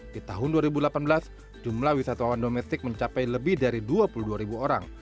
di tahun dua ribu delapan belas jumlah wisatawan domestik mencapai lebih dari dua puluh dua ribu orang